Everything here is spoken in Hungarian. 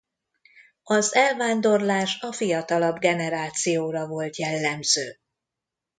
Az elvándorlás a fiatalabb generációra volt jellemző.